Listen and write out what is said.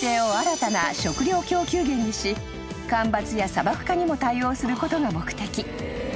［干ばつや砂漠化にも対応することが目的］